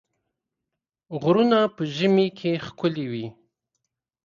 غرونه په ژمي کې ښکلي وي.